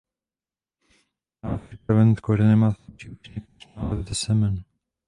Nálev připravený z kořene má slabší účinek než nálev ze semen.